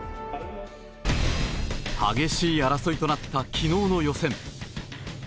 激しい争いとなった昨日の予選。